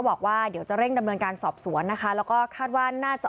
บอกว่าเดี๋ยวจะเร่งดำเนินการสอบสวนนะคะแล้วก็คาดว่าน่าจะ